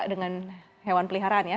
dan hewan peliharaan ya